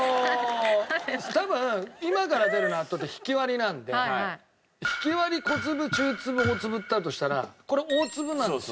多分今から出る納豆ってひきわりなんでひきわり小粒中粒大粒だとしたらこれ大粒なんですよ。